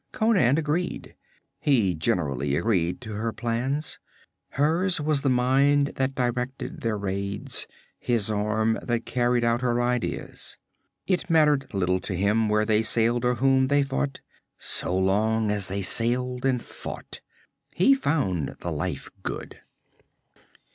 Conan agreed. He generally agreed to her plans. Hers was the mind that directed their raids, his the arm that carried out her ideas. It mattered little to him where they sailed or whom they fought, so long as they sailed and fought. He found the life good.